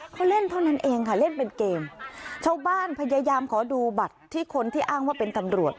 เขาเล่นเท่านั้นเองค่ะเล่นเป็นเกมชาวบ้านพยายามขอดูบัตรที่คนที่อ้างว่าเป็นตำรวจ